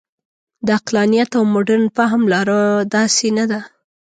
د عقلانیت او مډرن فهم لاره داسې نه ده.